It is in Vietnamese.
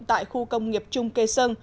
tại khu công nghiệp trung kê sơn